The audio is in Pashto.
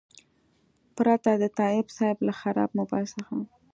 پرته د تایب صیب له خراب موبایل څخه.